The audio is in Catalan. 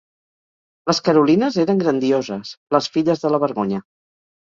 Les Carolines eren grandioses: les Filles de la vergonya.